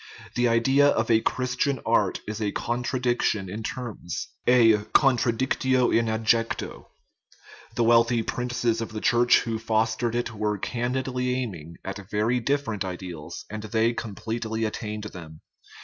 The idea of a Christian art is a contradiction in terms a contradictio in adjecto. The wealthy princes of the Church who fostered it were candidly aiming at very different ideals, and they completely attained them.